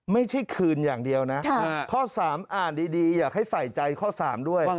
ไม่ใช่คืนอย่างเดียวนะข้อ๓อ่านดีอยากให้ใส่ใจข้อ๓ด้วย